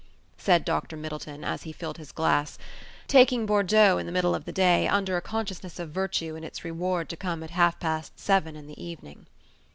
said Dr. Middleton, as he filled his glass, taking Bordeaux in the middle of the day, under a consciousness of virtue and its reward to come at half past seven in the evening.